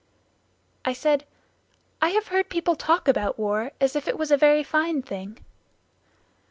I said, "I have heard people talk about war as if it was a very fine thing."